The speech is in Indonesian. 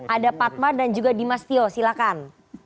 ada fatma dan juga dimastio silahkan